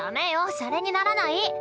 シャレにならない。